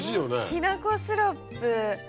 きな粉シロップ。